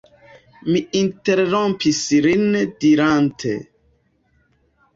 Mi interrompis lin dirante: